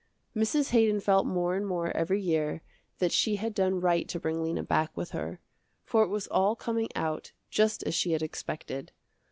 Mrs. Haydon felt more and more every year that she had done right to bring Lena back with her, for it was all coming out just as she had expected.